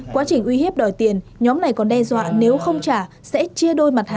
quá trình uy hiếp đòi tiền nhóm này còn đe dọa nếu không trả sẽ chia đôi mặt hàng